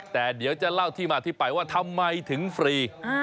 แต่เดี๋ยวจะเล่าที่มาที่ไปว่าทำไมถึงฟรี